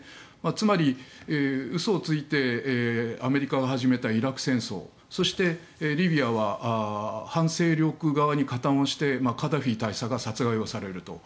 つまり嘘をついてアメリカが始めたイラク戦争そして、リビアは反勢力側に加担をしてカダフィ大佐が殺害されると。